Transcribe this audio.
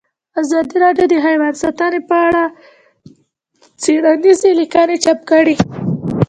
ازادي راډیو د حیوان ساتنه په اړه څېړنیزې لیکنې چاپ کړي.